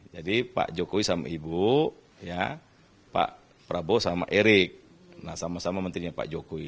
jadi pak jokowi sama ibu pak prabowo sama erik sama sama menterinya pak jokowi